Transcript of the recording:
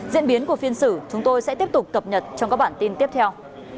diễn biến của phiên xử chúng tôi sẽ tiếp tục cập nhật trong các bản tin tiếp theo